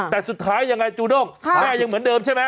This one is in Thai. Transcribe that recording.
แต่สุดท้ายยังไงจูด้งแม่ยังเหมือนเดิมใช่ไหม